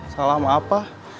salah sama apa